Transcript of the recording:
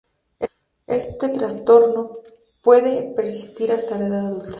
Este trastorno puede persistir hasta la edad adulta.